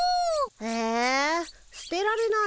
えすてられないよ。